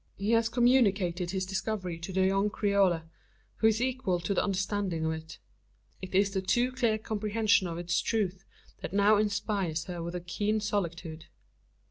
He has communicated his discovery to the young Creole, who is equal to the understanding of it. It is the too clear comprehension of its truth that now inspires her with a keen solicitude.